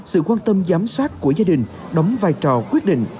sự quan tâm giám sát của gia đình đóng vai trò quyết định